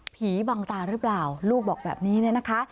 ผีบังตาหรือเปล่าลูกบอกแบบนี้นะคะ